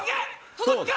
届くか？